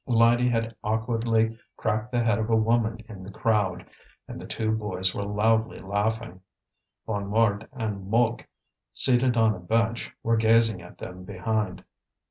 Lydie had awkwardly cracked the head of a woman in the crowd, and the two boys were loudly laughing. Bonnemort and Mouque, seated on a bench, were gazing at them behind.